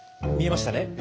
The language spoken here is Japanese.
見えましたね？